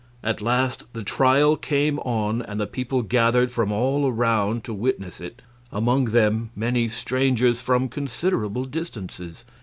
At last the trial came on, and the people gathered from all around to witness it; among them many strangers from considerable distances.